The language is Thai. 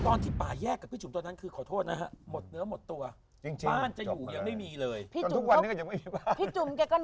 ตอนที่ป่าแยกกับพี่ชุมตัวนั้นคือขอโทษนะครับหมดเนื้อหมดตัวจริงบ้านจะอยู่ไม่มีเลยก็ไม่มีบ้าน